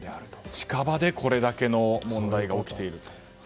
近場でこれだけの問題が起きていると。